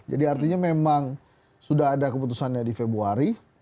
jadi artinya memang sudah ada keputusannya di februari